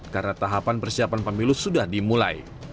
karena tahapan persiapan pemilu sudah dimulai